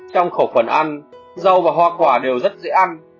trong khẩu phần ăn dầu và hoa quả đều rất dễ ăn